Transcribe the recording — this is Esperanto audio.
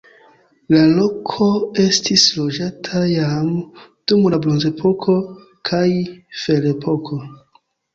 La loko estis loĝata jam dum la bronzepoko kaj ferepoko.